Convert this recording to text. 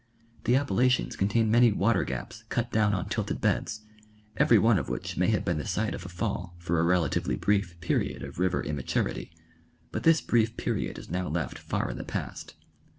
The Appalachians contain many water gaps cut down on tilted beds, every one of which may have been the site of a fall for a relatively brief period of river immaturity, but this brief period is now left far in the past.